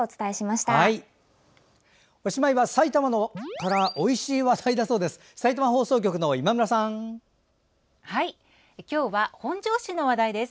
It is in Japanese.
おしまいは、埼玉のからおいしい話題だそうです。